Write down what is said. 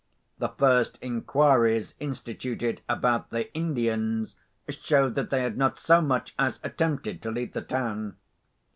The first inquiries instituted about the Indians showed that they had not so much as attempted to leave the town.